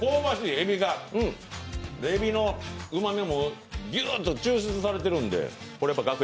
エビのうまみもぎゅーっと抽出されてるんで。